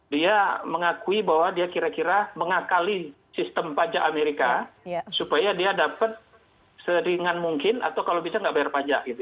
dia mengakui bahwa dia kira kira mengakali sistem pajak amerika supaya dia dapat seringan mungkin atau kalau bisa nggak bayar pajak gitu